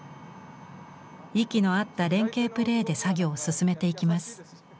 息の合った連携プレーで作業を進めていきます。